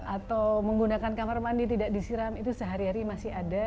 atau menggunakan kamar mandi tidak disiram itu sehari hari masih ada